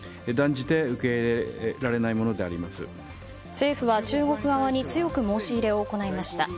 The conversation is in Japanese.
政府は中国側に強く申し入れを行いました。